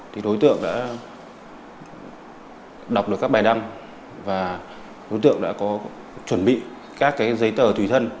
thì đối tượng đã đọc được các bài đăng và đối tượng đã có chuẩn bị các cái giấy tờ tùy thân